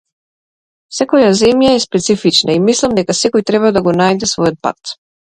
Секоја земја е специфична и мислам дека секој треба да го најде својот пат.